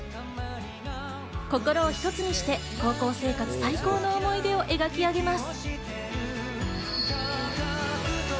心をひとつにして高校生活最高の思い出を描き上げます。